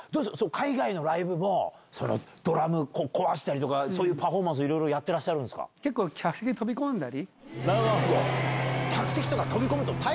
海外のライブも、ドラム壊したりとか、そういうパフォーマンスいろいろやってらっ結構、客席に飛び込んだり。